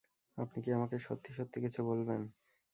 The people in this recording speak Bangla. আপনি কি আমাকে সত্যি সত্যি কিছু বলবেন?